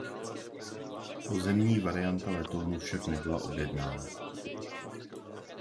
Pozemní varianta letounu však nebyla objednána.